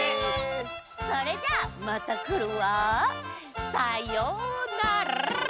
それじゃあまたくるわ。さようなら！